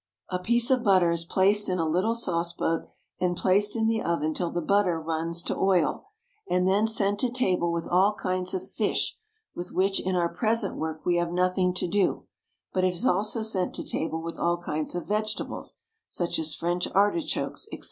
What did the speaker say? A piece of butter is placed in a little sauce boat and placed in the oven till the butter runs to oil, and then sent to table with all kinds of fish with which in our present work we have nothing to do; but it is also sent to table with all kinds of vegetables, such as French artichokes, &c.